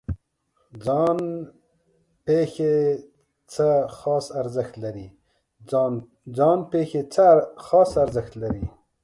ځان پېښې څه خاص ارزښت لري؟